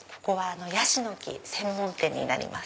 ヤシの木専門店になります。